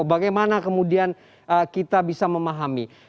bagaimana kemudian kita bisa memahami